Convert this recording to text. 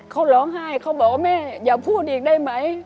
เขาร้องไห้เขาบอกว่าแม่อย่าพูดอีกได้ไหม